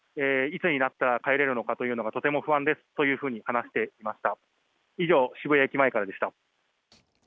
いつになった帰れるのかとても不安ですというふうに話していました。